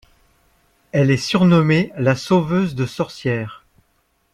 Elle est surnommée la sauveuse de sorcières.